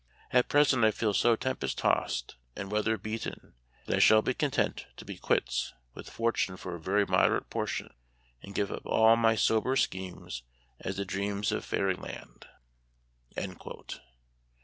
At present I feel so tempest tossed and weather beaten that I shall be content to be quits with fortune for a very moderate portion, and give up all my sober schemes as the dreams of fairy Memoir of Washington Irving. J J land."